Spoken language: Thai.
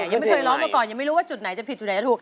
ยังไม่เคยร้องมาก่อนยังไม่รู้ว่าจุดไหนจะผิดจุดไหนจะถูก